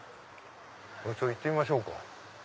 行ってみましょうか。